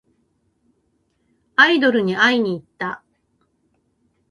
アイドルに会いにいった。